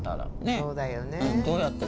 そうだよね。